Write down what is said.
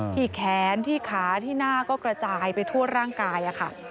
ที่แขนที่ขาที่หน้าก็กระจายไปทั่วร่างกายค่ะ